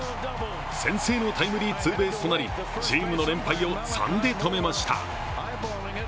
先制のタイムリーツーベースとなりチームの連敗を３で止めました。